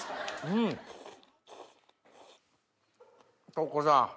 徳子さん。